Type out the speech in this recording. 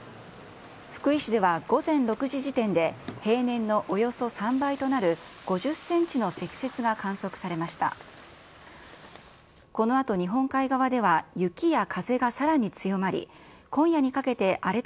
福井市では午前６時時点で、平年のおよそ３倍となる５０センチの積雪が観測されました。